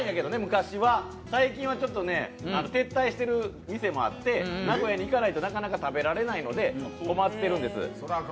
最近は撤退してる店もあって名古屋に行かないとなかなか食べられないので困ってるんです。